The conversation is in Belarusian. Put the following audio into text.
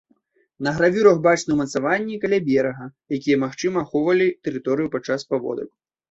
На гравюрах бачны умацаванні каля берага, якія магчыма ахоўвалі тэрыторыю падчас паводак.